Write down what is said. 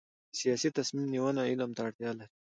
سیاسي تصمیم نیونه علم ته اړتیا لري